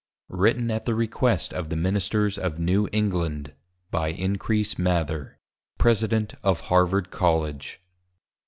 Written at the Request of the Ministers of New England. By Increase Mather, President of Harvard Colledge.